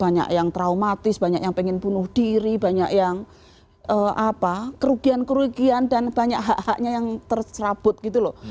banyak yang traumatis banyak yang pengen bunuh diri banyak yang kerugian kerugian dan banyak hak haknya yang terserabut gitu loh